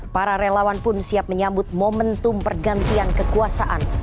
para relawan pun siap menyambut momentum pergantian kekuasaan